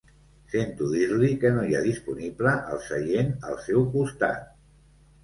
Sento dir-li que no hi ha disponible el seient al seu costat.